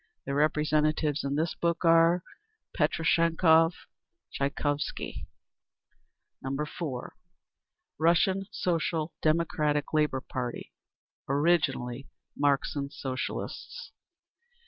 Their representatives in this book are: Peshekhanov, Tchaikovsky. 4. Russian Social Democratic Labour Party. Originally Marxian Socialists.